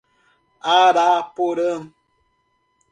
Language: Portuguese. Araporã